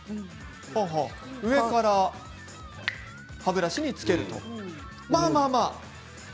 上から歯ブラシにつけるんですね。